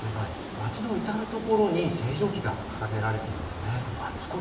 街の至る所に星条旗が掲げられているんです。